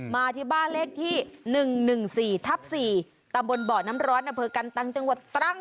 มาที่บ้านเลขที่๑๑๔ทับ๔ตำบลบ่อน้ำร้อนอำเภอกันตังจังหวัดตรัง